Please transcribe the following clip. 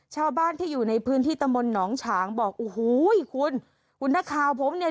ชาวบ้านที่อยู่ในพื้นที่ตำบลหนองฉางบอกโอ้โหคุณคุณนักข่าวผมเนี่ย